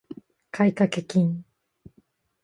買掛金